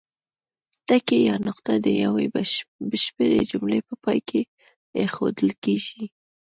ټکی یا نقطه د یوې بشپړې جملې په پای کې اېښودل کیږي.